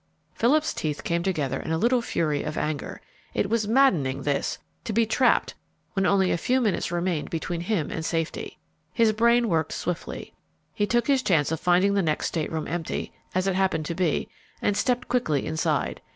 Philip's teeth came together in a little fury of anger. It was maddening, this, to be trapped when only a few minutes remained between him and safety! His brain worked swiftly. He took his chance of finding the next stateroom empty, as it happened to be, and stepped quickly inside.